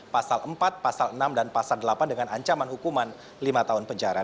pasal empat pasal enam dan pasal delapan dengan ancaman hukuman lima tahun penjara